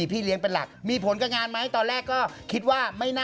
พี่ลิงกันเท้าแก่ให้